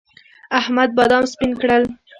احمد بادام سپين کړل.